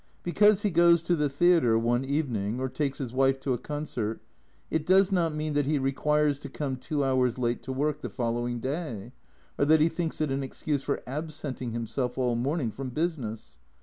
Because he goes to the theatre 268 A Journal from Japan one evening or takes his wife to a concert, it does not mean that he requires to come two hours late to work the following day, or that he thinks it an excuse for absenting himself all morning from business.